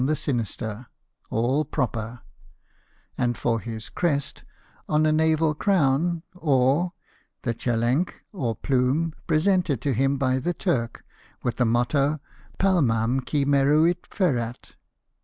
151 the sinister, all proper ; and for his crest, on a naval crown, or, the chelengk, or plume, presented to him by the Turk, with the motto, Palmavi qui "meruit /eraf.